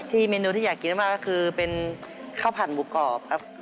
เมนูที่อยากกินมากก็คือเป็นข้าวผัดหมูกรอบครับ